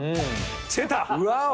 出た！